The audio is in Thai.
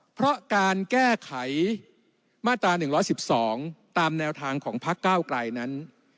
เพราะการแก้ไขมาตรา๑๑๒ตามแนวทางของพักเก้าไกลนั้น